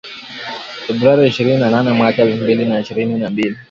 Februari ishirini na nane mwaka elfu mbili na ishirini na mbili